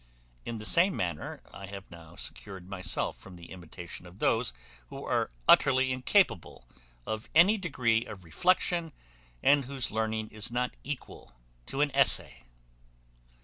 In the same manner I have now secured myself from the imitation of those who are utterly incapable of any degree of reflection, and whose learning is not equal to an essay.